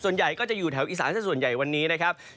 ส่วนใหญ่ก็จะอยู่แถวอีสานส่วนใหญ่วันนี้นะครับ